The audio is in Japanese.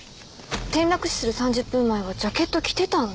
転落死する３０分前はジャケット着てたんだ。